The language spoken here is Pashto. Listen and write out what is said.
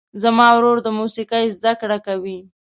زما ورور د موسیقۍ زده کړه کوي.